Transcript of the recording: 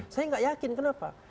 saya nggak yakin kenapa